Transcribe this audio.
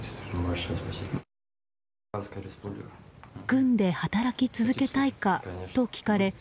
軍で働き続けたいかと聞かれ